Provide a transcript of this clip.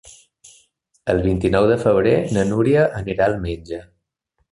El vint-i-nou de febrer na Núria anirà al metge.